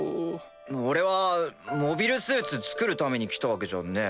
俺はモビルスーツ造るために来たわけじゃねぇ。